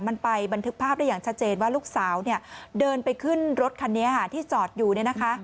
มันไปบันทึกภาพได้อย่างชัดเจนว่าลูกสาวเนี่ยเดินไปขึ้นรถคันนี้ค่ะที่จอดอยู่เนี่ยนะคะ